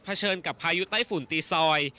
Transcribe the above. เชิญกับพายุไต้ฝุ่นตีซอย